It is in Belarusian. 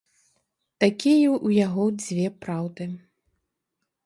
Такія ў яго дзве праўды.